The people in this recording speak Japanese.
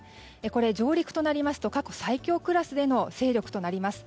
これ、上陸となりますと過去最強クラスでの勢力となります。